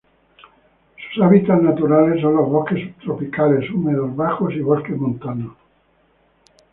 Sus hábitats naturales son los bosques subtropicales húmedos bajos y bosques montanos.